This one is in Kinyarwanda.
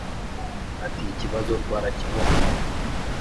Ati “ikibazo twarakibonye